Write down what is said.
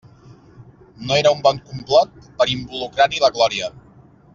No era un bon complot per involucrar-hi la Glòria!